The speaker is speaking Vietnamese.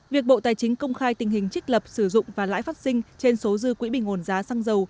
việc bộ tài chính công khai tình hình trích lập sử dụng và lãi phát sinh trên số dư quỹ bình ổn giá xăng dầu